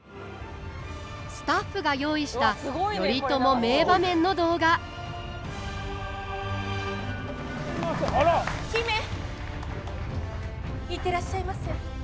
スタッフが用意した頼朝名場面の動画姫行ってらっしゃいませ。